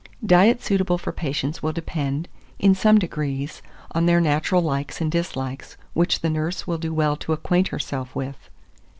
2428. Diet suitable for patients will depend, in some degree, on their natural likes and dislikes, which the nurse will do well to acquaint herself with.